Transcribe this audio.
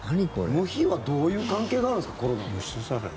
ムヒはどういう関係があるんですか？